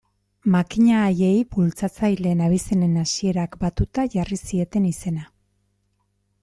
Makina haiei bultzatzaileen abizenen hasierak batuta jarri zieten izena.